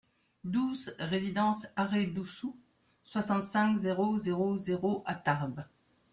douze résidence Array Dou Sou, soixante-cinq, zéro zéro zéro à Tarbes